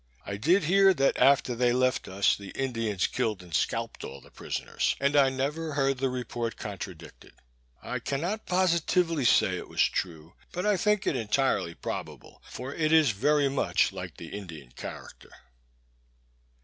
I did hear, that after they left us, the Indians killed and scalped all the prisoners, and I never heard the report contradicted. I cannot positively say it was true, but I think it entirely probable, for it is very much like the Indian character.